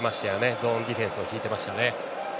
ゾーンディフェンスを敷いてましたね。